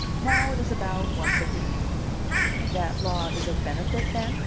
Now, it is about once a week." "That law is of benefit, then?"